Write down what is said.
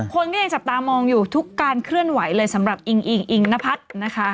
คนก็ยังจับตามองอยู่ทุกการเคลื่อนไหวเลยสำหรับอิงอิงอิงนพัฒน์นะคะ